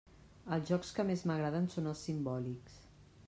Els jocs que més m'agraden són els simbòlics.